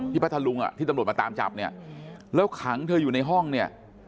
พัทธลุงอ่ะที่ตำรวจมาตามจับเนี่ยแล้วขังเธออยู่ในห้องเนี่ย